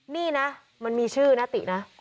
นี่นะมันมีชื่อนะตินะ